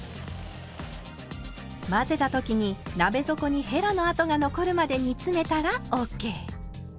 混ぜた時に鍋底にへらの跡が残るまで煮詰めたらＯＫ。